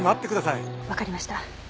わかりました。